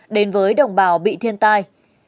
đến với đồng bào bị thiên tai